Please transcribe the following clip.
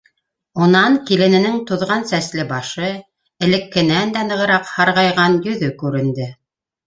Унан килененең туҙған сәсле башы, элеккенән дә нығыраҡ һарғайған йөҙө күренде: